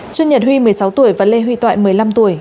trương nhật huy một mươi sáu tuổi và lê huy toại một mươi năm tuổi